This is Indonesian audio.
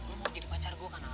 lo mau jadi pacar gue kan al